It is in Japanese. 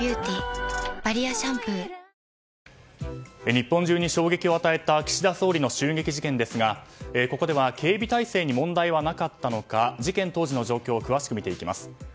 日本中に衝撃を与えた岸田総理の襲撃事件ですがここでは警備態勢に問題はなかったのか事件当時の状況を詳しく見ていきます。